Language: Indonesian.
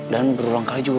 dan berulang kali juga